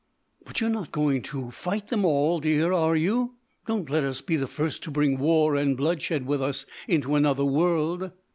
"But you're not going to fight them all, dear, are you? Don't let us be the first to bring war and bloodshed with us into another world."